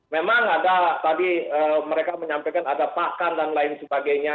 memang ada tadi mereka menyampaikan ada pakan dan lain sebagainya